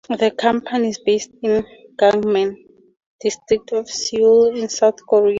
The company is based in the Gangnam District of Seoul in South Korea.